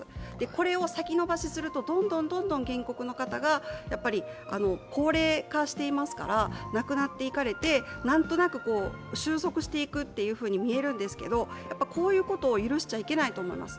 これを先延ばしすると、どんどんどんどん原告の方が高齢化していますから、亡くなっていかれてなんとなく収束していくというふうに見えるんですけどこういうことを許しちゃいけないと思います。